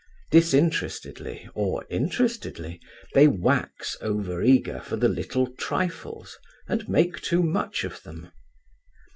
Disinterestedly or interestedly they wax over eager for the little trifles, and make too much of them.